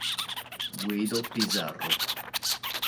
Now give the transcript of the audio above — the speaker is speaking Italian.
Guido Pizarro